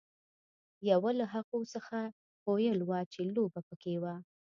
یوه له هغو څخه هویل وه چې لوبه پکې وه.